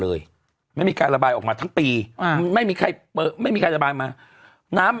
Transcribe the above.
เลยไม่มีการระบายออกมาทั้งปีอ่าไม่มีใครไม่มีใครระบายมาน้ำ